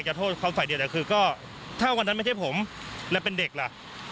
โทษเขาฝ่ายเดียวแต่คือก็ถ้าวันนั้นไม่ใช่ผมและเป็นเด็กล่ะ